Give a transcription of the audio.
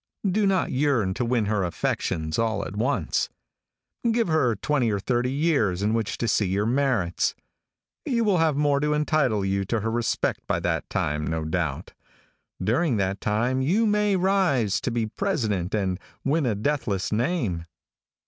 Do not yearn to win her affections all at once. Give her twenty or thirty years in which to see your merits. You will have more to entitle you to her respect by that time, no doubt. During that time you may rise to be president and win a deathless name.